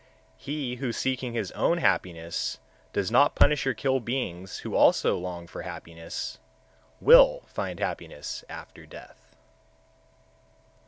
132. He who seeking his own happiness does not punish or kill beings who also long for happiness, will find happiness after death.